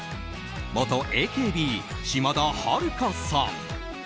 元ＡＫＢ、島田晴香さん。